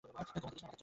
ঘুমাতে দিস না।